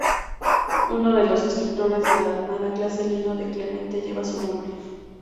Uno de los destructores de la Armada, clase Lino de Clemente, lleva su nombre.